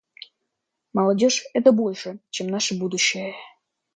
Молодежь — это больше, чем наше будущее.